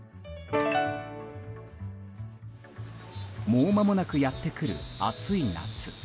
もう間もなくやってくる暑い夏。